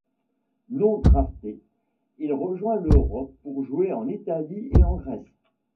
Non drafté, il rejoint l'Europe pour jouer en Italie et en Grèce.